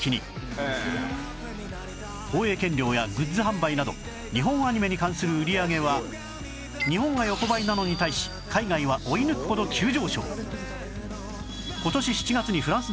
放映権料やグッズ販売など日本アニメに関する売り上げは日本が横ばいなのに対し海外は追い抜くほど急上昇